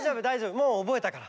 もうおぼえたから。